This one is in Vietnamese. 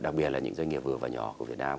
đặc biệt là những doanh nghiệp vừa và nhỏ của việt nam